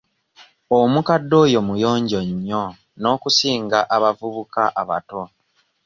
Omukadde oyo muyonjo nnyo n'okusinga abavubuka abato.